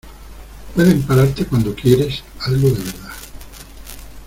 pueden pararte cuando quieres algo de verdad.